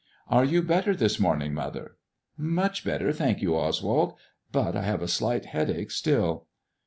" Are you better this morning, mother 1 "Much better, thank you, Oswald ; but I have a slight headache still."